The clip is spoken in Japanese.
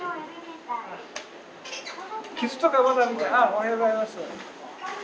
おはようございます。